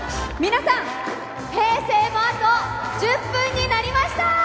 皆さん平成もあと１０分になりました！